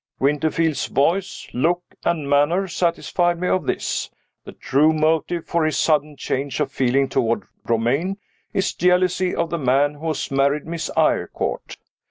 Winterfield's voice, look, and manner satisfied me of this the true motive for his sudden change of feeling toward Romayne is jealousy of the man who has married Miss Eyrecourt.